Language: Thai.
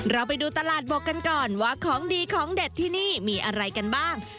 เราไปดูตลาดบกกันก่อนว่าของดีของเด็ดที่นี่มีอะไรกันบ้าง